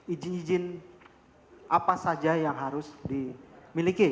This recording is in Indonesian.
izin izin apa saja yang harus dimiliki